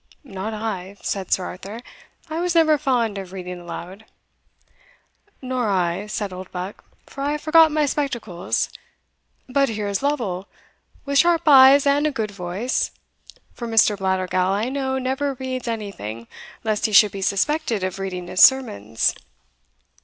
"Not I," said Sir Arthur; "I was never fond of reading aloud." "Nor I," said Oldbuck, "for I have forgot my spectacles. But here is Lovel, with sharp eyes and a good voice; for Mr. Blattergowl, I know, never reads anything, lest he should be suspected of reading his sermons."